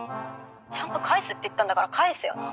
ちゃんと返すって言ったんだから返せよな。